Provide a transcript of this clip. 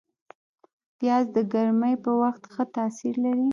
پیاز د ګرمۍ په وخت ښه تاثیر لري